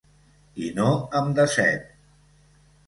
I no em decep.